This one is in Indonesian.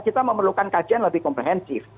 kita memerlukan kajian lebih komprehensif